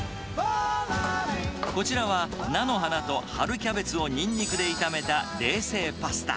こちらは、菜の花と春キャベツをニンニクで炒めた冷製パスタ。